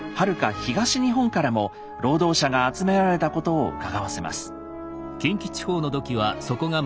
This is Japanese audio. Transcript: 東日本からも労働者が集められたことをうかがわせます。